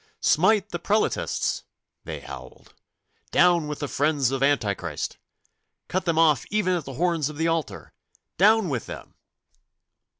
'Smite the Prelatists!' they howled. 'Down with the friends of Antichrist! Cut them off even at the horns of the altar! Down with them!